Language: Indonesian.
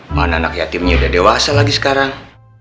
mana anak yatimnya udah dewasa lagi sekarang